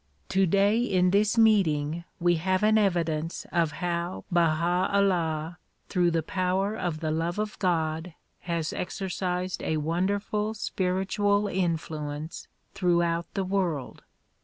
Today in this meeting we have an evidence of how Baha 'Ullah through the power of the love of God has exercised a wonderful spiritual influence throughout the world.